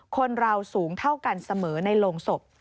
คนเราสูงเท่ากันเสมอในโรงศพ